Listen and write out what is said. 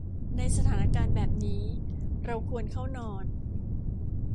ในสถานการณ์แบบนี้ เราควรเข้านอน